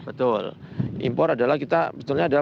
betul impor adalah kita